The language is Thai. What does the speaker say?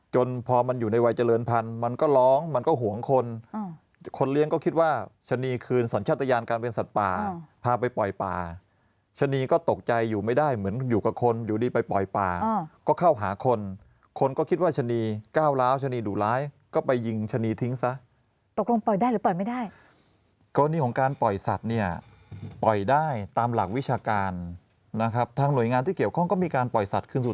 จนพอมันอยู่ในวัยเจริญพันธุ์มันก็ร้องมันก็ห่วงคนคนเลี้ยงก็คิดว่าชะนีคืนสรรชาตยานการเป็นสัตว์ป่าพาไปปล่อยป่าชะนีก็ตกใจอยู่ไม่ได้เหมือนอยู่กับคนอยู่ดีไปปล่อยป่าก็เข้าหาคนคนก็คิดว่าชะนีก้าวร้าวชะนีดุร้ายก็ไปยิงชะนีทิ้งซะตกลงปล่อยได้หรือปล่อยไม่ได้ก็นี่ของการปล่อย